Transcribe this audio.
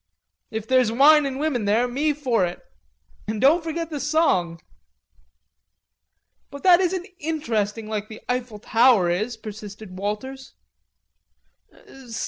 "If there's wine an' women there, me for it." "An' don't forget the song." "But that isn't interesting like the Eiffel tower is," persisted Walters.